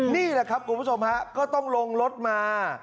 นี่แหละครับคุณผู้ชมฮะก็ต้องลงรถมา